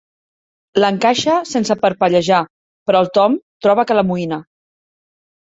L'encaixa sense parpellejar, però el Tom troba que l'amoïna.